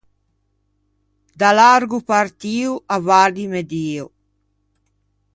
Da largo partio avvardime Dio.